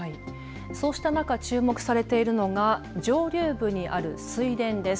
そうした中、注目されているのが上流部にある水田です。